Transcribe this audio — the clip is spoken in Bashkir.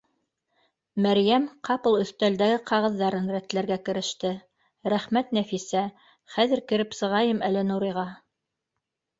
Мәрйәм ҡапыл өҫтәлдәге ҡағыҙҙарын рәтләргә кереште: — Рәхмәт, Нәфисә, хәҙер кереп сығайым әле Нуриха